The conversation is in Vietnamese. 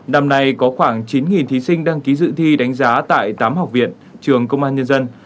năm nay có khoảng chín thí sinh đăng ký dự thi đánh giá tại tám học viện trường công an nhân dân